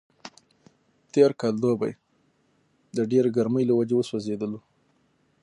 تېر کال دوبی د ډېرې ګرمۍ له وجې وسوځېدلو.